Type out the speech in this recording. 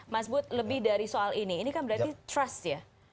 mas bud lebih dari soal ini ini kan berarti trust ya